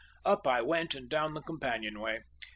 Up I went and down the companion way.